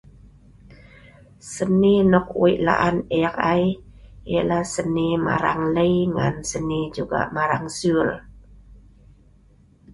Seni nok wei laan eek ai yah nah seni marang lei ngan seni juga marang suel